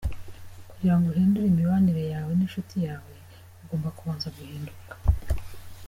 kugira ngo uhindure imibanire yawe n’inshuti yawe ,ugomba kubanza guhinduka.